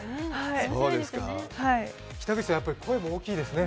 北口さん、やっぱり声も大きいですね。